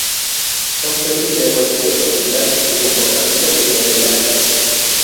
Son peces de agua dulce tropical, de comportamiento bentopelágico